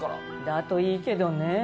だといいけどねえ。